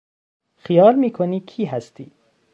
خیال میکنی کی هستی!